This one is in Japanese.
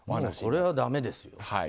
これはだめですよ。